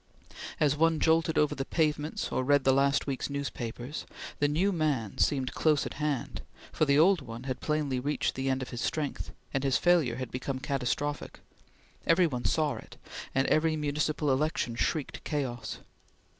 As one jolted over the pavements or read the last week's newspapers, the new man seemed close at hand, for the old one had plainly reached the end of his strength, and his failure had become catastrophic. Every one saw it, and every municipal election shrieked chaos.